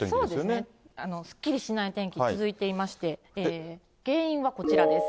そうですね、すっきりしない天気続いてまして、原因はこちらです。